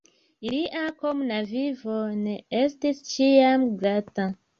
Ilia komuna vivo ne estis ĉiam glata.